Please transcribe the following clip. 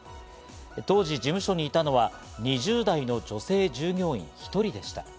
当時、事務所にいたのは２０代の女性従業員１人でした。